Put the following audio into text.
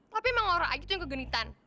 tapi emang orang aja tuh yang kegenitan